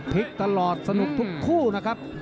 พลิกตลอดสนุกทุกคู่นะครับ